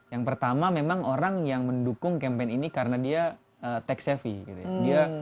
yang pertama memang orang yang mendukung campaign ini karena dia tax savy gitu ya